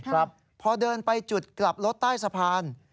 ครับพอเดินไปจุดกลับรถใต้สะพาน